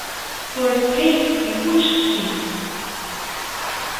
For a space he watched these.